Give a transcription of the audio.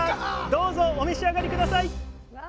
どうぞお召し上がり下さい！